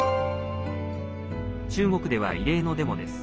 中国では異例のデモです。